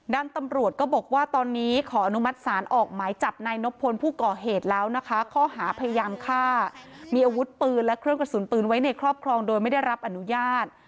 ด้านตำรวจก็บอกว่าตอนนี้ขออนุมัติศาลออกหมายจับนายนบพลผู้ก่อเหตุแล้วนะคะข้อหาพยายามฆ่ามีอาวุธปืนและเครื่องกระสุนปืนไว้ในครอบครองโดยไม่ได้รับอนุญาต